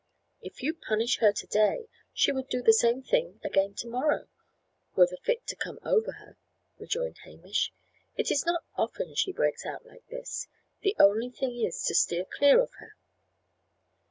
"If you punish her to day, she would do the same again to morrow, were the fit to come over her," rejoined Hamish. "It is not often she breaks out like this. The only thing is to steer clear of her."